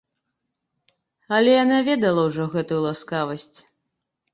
Але яна ведала ўжо гэтую ласкавасць.